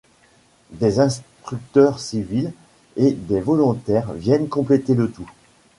Des instructeurs civils et des volontaires viennent compléter le tout.